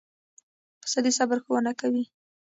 پسه د صبر ښوونه کوي.